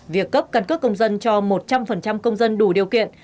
việc cấp căn cước công dân cho một trăm linh công dân đủ điều kiện